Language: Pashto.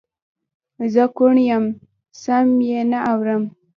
زه کوڼ یم سم یې نه اورم